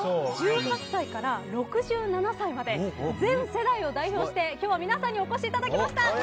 １８歳から６７歳まで全世代を代表して今日は皆さんにお越しいただきました！